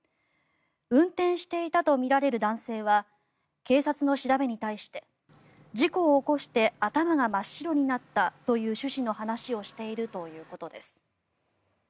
運転していたとみられる男性は警察の調べに対して事故を起こして頭が真っ白になったという趣旨の話をしているということです。